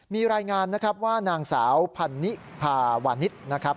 มีรายงานนะครับว่านางสาวพันนิพาวานิสนะครับ